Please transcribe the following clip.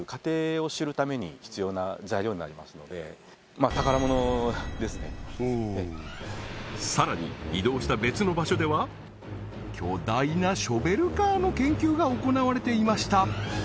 まあ宝物ですねさらに移動した別の場所では巨大なショベルカーの研究が行われていました